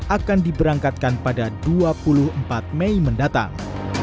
akan diberangkatkan pada dua puluh empat mei mendatang